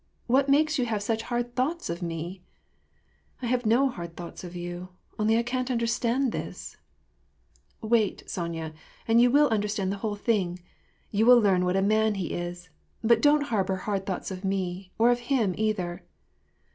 What makes you have such hard thoughts of me ?"" I have no hard thoughts of you ; only I can't understand this "—" Wait, Sonya, and you will understand the whole thing. You will learn what a man he is ! But don't harbor hard thoughts of me, or of him either."